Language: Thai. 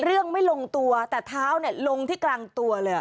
เรื่องไม่ลงตัวแต่เท้าลงที่กลางตัวเลย